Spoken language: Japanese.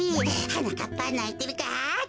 はなかっぱないてるか？